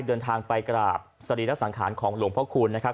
เดินทางไปกราบสรีระสังขารของหลวงพ่อคูณนะครับ